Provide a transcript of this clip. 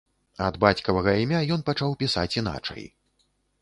Ад бацькавага імя ён пачаў пісаць іначай.